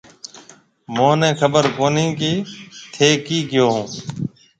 مهونَي خبر ڪهوني ڪيَ ٿَي ڪِي ڪهيو هون۔